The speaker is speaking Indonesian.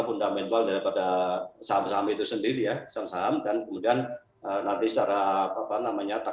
fundamental daripada saham saham itu sendiri ya saham saham dan kemudian nanti secara apa namanya